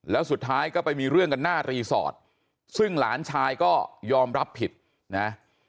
แล้วสุดท้ายก็ไปมีเรื่องกันหน้ารีสอร์ทซึ่งหลานชายก็ยอมรับผิดนะ